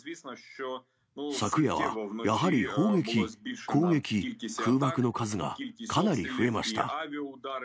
昨夜はやはり砲撃、攻撃、空爆の数がかなり増えました。